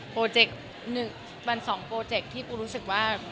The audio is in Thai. มัน๒โปรเจคที่ปูรู้สึกว่า